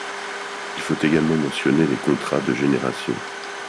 Il faut également mentionner les contrats de génération.